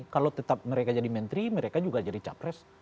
kalau tetap mereka jadi menteri mereka juga jadi capres